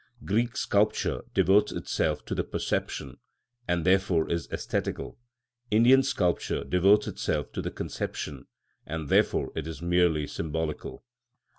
Greek sculpture devotes itself to the perception, and therefore it is æsthetical; Indian sculpture devotes itself to the conception, and therefore it is merely symbolical.